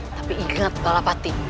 tapi ingat balapate